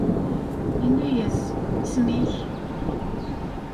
Inna-yas: Isem-ik?